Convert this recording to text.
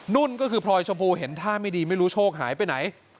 นุ่นก็คือพลอยชมพูเห็นท่าไม่ดีไม่รู้โชคหายไปไหน